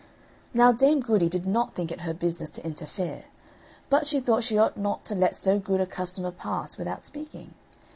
Now Dame Goody did not think it her business to interfere, but she thought she ought not to let so good a customer pass without speaking.